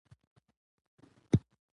ازادي راډیو د اقلیتونه بدلونونه څارلي.